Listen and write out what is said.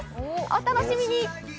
お楽しみに。